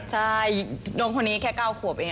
ใช่โดนคนนี้แค่เก้าขวบเอง